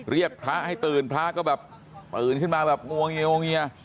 เรียกพระให้ตื่นพระก็แบบตื่นขึ้นมาแบบงวงเงีวงเงีย